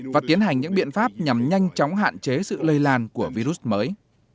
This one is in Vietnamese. và tiến hành những biện pháp nhằm nhanh chóng hạn chế sự lây lan của virus mới